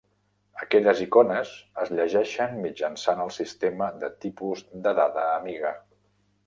Aquelles icones es llegeixen mitjançant el sistema de tipus de dada Amiga.